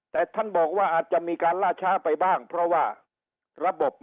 แต่ท่านบอกว่าอาจจะมีการล่าช้าไปบ้างเพราะว่าระบบ